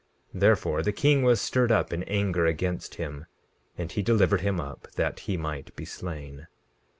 Therefore the king was stirred up in anger against him, and he delivered him up that he might be slain.